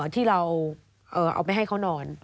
ที่เราเอาไปให้เขานอน